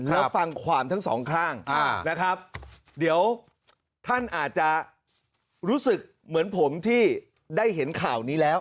แล้วฟังความทั้งสองข้างนะครับเดี๋ยวท่านอาจจะรู้สึกเหมือนผมที่ได้เห็นข่าวนี้แล้ว